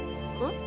ん？